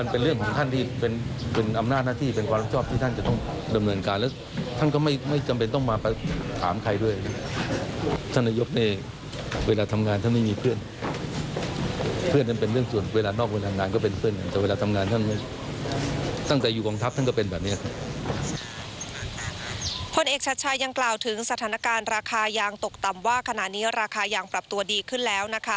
ผลเอกชายยังกล่าวถึงสถานการณ์ราคายางตกต่ำว่าขณะนี้ราคายางปรับตัวดีขึ้นแล้วนะคะ